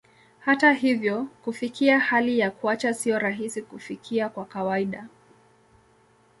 Hata hivyo, kufikia hali ya kuacha sio rahisi kufikia kwa kawaida.